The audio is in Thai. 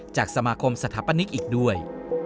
จากสมาคมสถาปนิกอีกด้วย